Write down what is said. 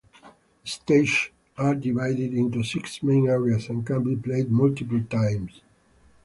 The stages are divided into six main areas and can be played multiple times.